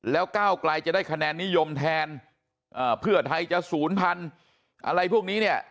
แล้วก้าวไกลจะได้คะแนนนิยมแทนเพื่อไทยจะศูนย์พันธุ์อะไรพวกนี้เนี่ย